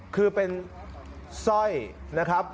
คือเป็นสร้อยนะครับ